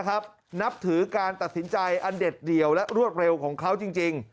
นับถือการตัดสินใจอันเด็ดเดี่ยวและรวดเร็วของเขาจริง